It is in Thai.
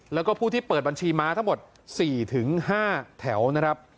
แล้วก็ผู้ที่เปิดบัญชีม้าทั้งหมด๔๕แถวนะครับ